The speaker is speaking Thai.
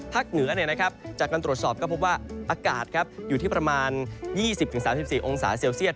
เหนือจากการตรวจสอบก็พบว่าอากาศอยู่ที่ประมาณ๒๐๓๔องศาเซลเซียต